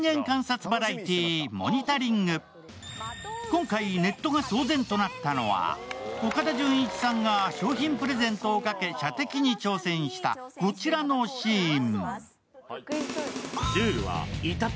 今回、ネットが騒然となったのは岡田准一さんが賞品プレゼントをかけ、射的に挑戦したこちらのシーン。